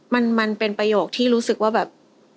มันเป็นประโยคที่รู้สึกว่าแบบ